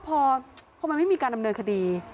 เพราะว่ามันไม่มีการดำเนินคดี